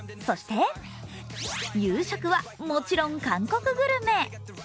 そして夕食はもちろん韓国グルメ。